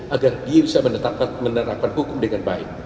agar dia bisa menerapkan hukum dengan baik